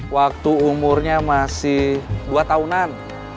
waktu umurnya masih dua tahunan